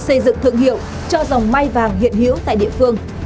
xây dựng thương hiệu cho dòng mai vàng hiện hữu tại địa phương